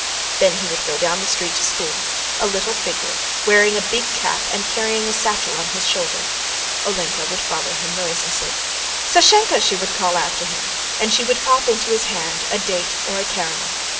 Then he would go down the street to school, a little figure, wearing a big cap and carrying a satchel on his shoulder. Olenka would follow him noiselessly. "Sashenka!" she would call after him, and she would pop into his hand a date or a caramel.